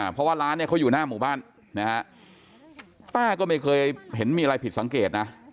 เพราะว่าร้านเนี่ยเขาอยู่หน้าหมู่บ้านนะฮะป้าก็ไม่เคยเห็นมีอะไรผิดสังเกตนะ